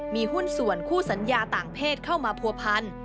มีหุ้นส่วนคู่สัญญาต่างเพศเข้ามาผัวพัน